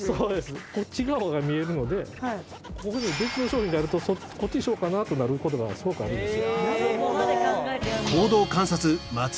こっち側が見えるのでここに別の商品があるとこっちにしようかな？となることすごくあるんですよ。